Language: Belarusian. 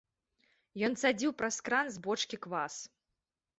Ён цадзіў праз кран з бочкі квас.